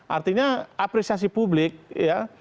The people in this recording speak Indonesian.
artinya apresiasi publik ya